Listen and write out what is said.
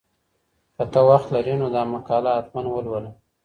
که ته وخت لرې نو دا مقاله حتماً ولوله.